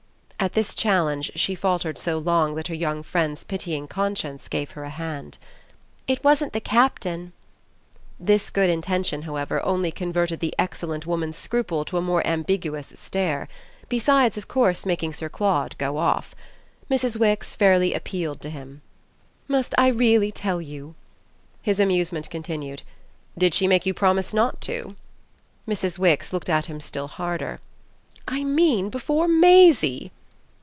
At this challenge she faltered so long that her young friend's pitying conscience gave her a hand. "It wasn't the Captain." This good intention, however, only converted the excellent woman's scruple to a more ambiguous stare; besides of course making Sir Claude go off. Mrs. Wix fairly appealed to him. "Must I really tell you?" His amusement continued. "Did she make you promise not to?" Mrs. Wix looked at him still harder. "I mean before Maisie."